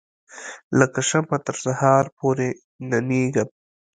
لکه شمعه تر سهار پوري ننیږم